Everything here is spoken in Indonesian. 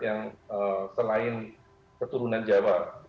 yang selain keturunan jawa